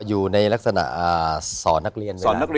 อยู่ในลักษณะสอนนักเรียนเวลา